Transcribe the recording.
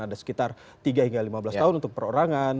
ada sekitar tiga hingga lima belas tahun untuk perorangan